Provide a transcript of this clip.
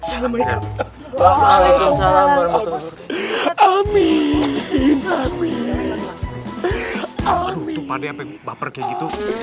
waalaikumsalam warahmatullahi wabarakatuh